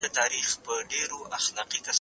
مفت شراب قاضي لا خوړلي دي.